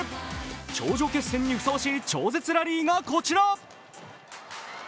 頂上決戦にふさわしい、超絶ラリーがこちら。